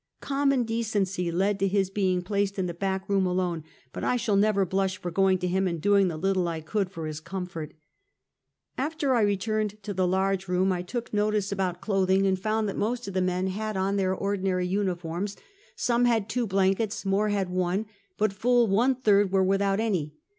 Common decency led to his being placed in the back room alone, but I shall never blush for going to him and doing the little I could for his comfort. After I returned to the large room, I took notice 310 Half a Centuey. about clothing, and found that most of the men had on their ordinary uniform; some had two blankets, more had one; but full one third were without any.